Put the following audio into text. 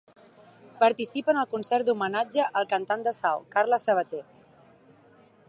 Participa en el concert d'homenatge al cantant de Sau, Carles Sabater.